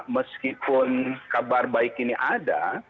meskipun kabar baik ini ada